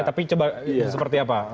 tapi coba seperti apa